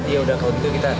ya udah kalau gitu kita